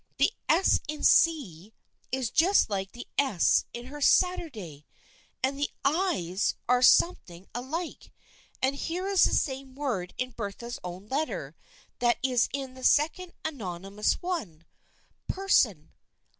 The S in 'See ' is just like the S in her 1 Saturday,' and the I's are something alike, and here is the same word in Bertha's own letter that is in the second anonymous one, 1 per THE FRIENDSHIP OF ANNE 225 son.'